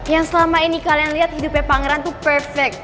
yang selama ini kalian lihat hidupnya pangeran itu perfect